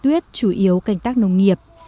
tuyết chủ yếu canh tác nông nghiệp